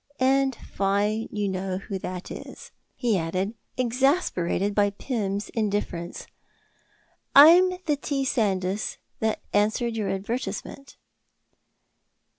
And fine you know who that is," he added, exasperated by Pym's indifference. "I'm the T. Sandys that answered your advertisement."